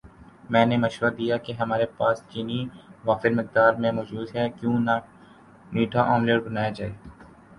میں نے مشورہ دیا کہ ہماری پاس چینی وافر مقدار میں موجود ہے کیوں نہ میٹھا آملیٹ بنایا جائے